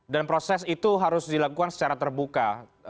proses itu harus dilakukan secara terbuka